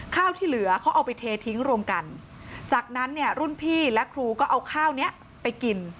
ข้าวที่เหลือเขาเอาไปเททิ้งรวมกันจากนั้นเนี่ยรุ่นพี่และครูก็เอาข้าวนี้ไปกิน